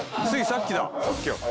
さっきや。